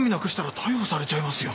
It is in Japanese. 逮捕されちゃいますよ。